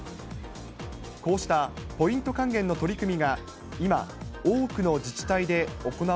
こうしたポイント還元の取り組み